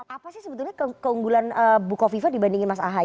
apa sih sebetulnya keunggulan bukofifa dibandingin mas ahi